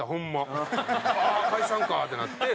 ああ解散かってなって。